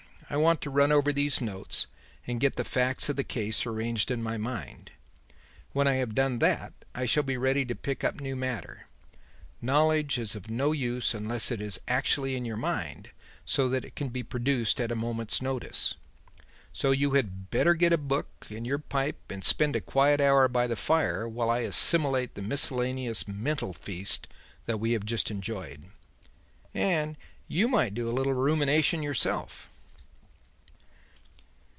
I want to run over these notes and get the facts of the case arranged in my mind. When I have done that, I shall be ready to pick up new matter. Knowledge is of no use unless it is actually in your mind, so that it can be produced at a moment's notice. So you had better get a book and your pipe and spend a quiet hour by the fire while I assimilate the miscellaneous mental feast that we have just enjoyed. And you might do a little rumination yourself."